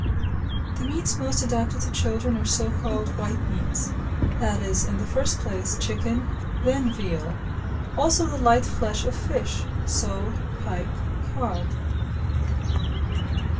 The meats most adapted to children are so called white meats, that is, in the first place, chicken, then veal; also the light flesh of fish, (sole, pike, cod).